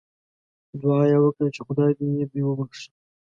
دعا یې وکړه چې خدای دې دوی وبخښي.